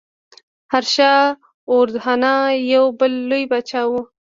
هرشا وردهنا یو بل لوی پاچا و.